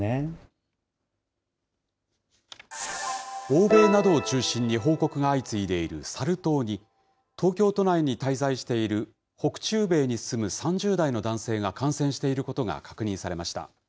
欧米などを中心に報告が相次いでいるサル痘に、東京都内に滞在している北中米に住む３０代の男性が感染していることが確認されました。